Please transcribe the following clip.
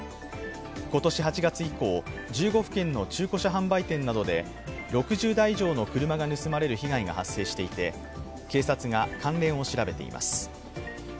今年８月以降、１５府県の中古車販売店などで６０台以上の車が盗まれる被害が発生していて、警察が関連を調べています。